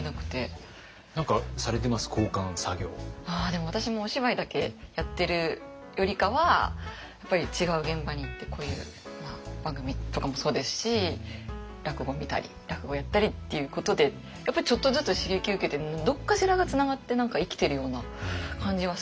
でも私もお芝居だけやってるよりかはやっぱり違う現場に行ってこういう番組とかもそうですし落語見たり落語やったりっていうことでやっぱりちょっとずつ刺激受けてどっかしらがつながって何か生きているような感じがするので。